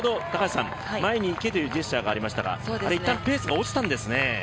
前に行けというジェスチャーがありましたが一旦ペースが落ちたんですね。